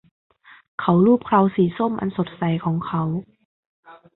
เขาลูบเคราสีส้มอันสดใสของเขา